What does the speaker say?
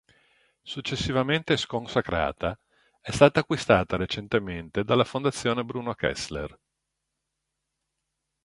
Successivamente sconsacrata, è stata acquistata recentemente dalla Fondazione Bruno Kessler.